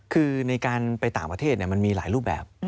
คือในการไปต่างประเทศมันมีหลายรูปแบบ